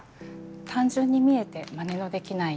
単純に見えてまねのできない絵。